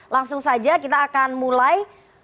langsung saja kita akan mulai